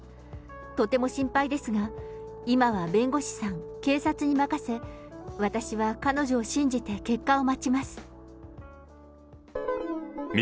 とても心配ですが、今は弁護士さん、警察に任せ、私は彼女を信じて結果を待ちます。